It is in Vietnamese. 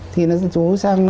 thì chú sang